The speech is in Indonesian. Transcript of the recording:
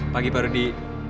pagi pak rudy